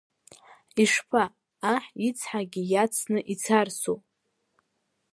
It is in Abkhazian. Ишԥа, Аҳ ицҳагьы иаҵсны ицарцу?